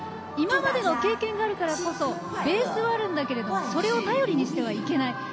今までの経験があるからこそベースはあるんだけれどもそれを頼りにしてはいけない。